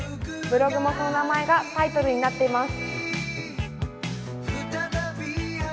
ブログもその名前がタイトルになっています。